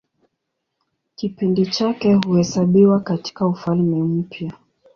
Kipindi chake huhesabiwa katIka Ufalme Mpya.